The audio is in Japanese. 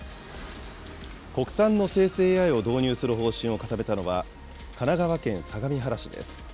国産の生成ＡＩを導入する方針を固めたのは、神奈川県相模原市です。